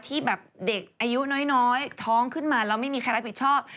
ที่แบบเด็กอายุน้อยท้องขึ้นมาแล้วไม่มีใครรับผิดชอบ